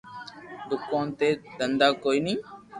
دوڪون تو دھندا ڪوئي ني